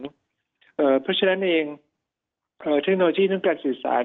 เพราะฉะนั้นเองเทคโนโลยีในเรื่องของการสื่อสาร